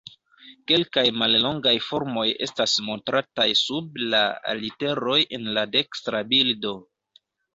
Kelkaj mallongaj formoj estas montrataj sub la literoj en la dekstra bildo.